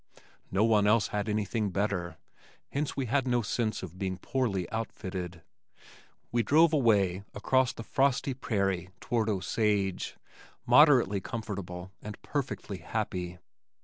No one else had anything better, hence we had no sense of being poorly outfitted. We drove away across the frosty prairie toward Osage moderately comfortable and perfectly happy.